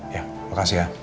ya makasih ya